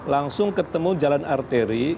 langsung ketemu jalan arteri